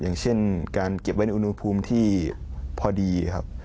อย่างเช่นการเก็บไว้ในอุณหภูมิที่พอดีครับ